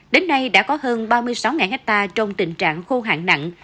đến nay đã có hơn ba mươi sáu hectare trong tình trạng khô hạn nặng